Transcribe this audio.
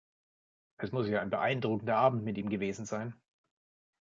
Es muss ja ein beeindruckender Abend mit ihm gewesen sein!